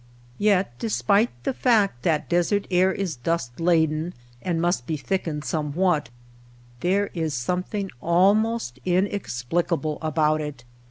I Yet despite the fact that desert air is dust I laden and must be thickened somewhat, there LIGHT, AIR, AND COLOR 81 is something almost inexplicable about it.